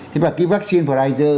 thế và cái vaccine pfizer